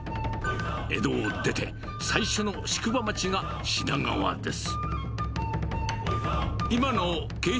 江戸を出て、最初の宿場町が品川です。